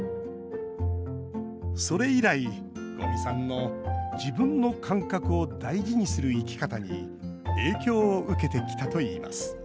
それ以来、五味さんの自分の感覚を大事にする生き方に影響を受けてきたといいます